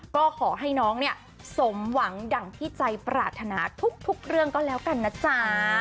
ก็ขอให้น้องเนี่ยสมหวังดั่งที่ใจปรารถนาทุกเรื่องก็แล้วกันนะจ๊ะ